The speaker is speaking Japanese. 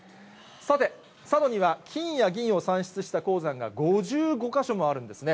さて、佐渡には金や銀を産出した鉱山が５５か所もあるんですね。